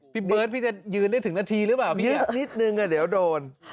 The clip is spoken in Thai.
พี่เบิร์ตพี่จะยืนได้ถึงนาทีหรือเปล่าพี่นิดนึงเดี๋ยวโดน